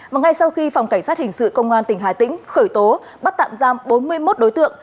và ngay sau khi phòng cảnh sát hình sự công an tỉnh hà tĩnh khởi tố bắt tạm giam bốn mươi một đối tượng